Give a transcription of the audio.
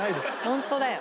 ホントだよ。